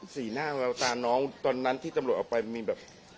หน้าแววตาน้องตอนนั้นที่ตำรวจออกไปมีแบบ